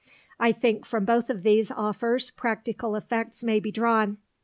I think from both of these offers practical effects may be drawn.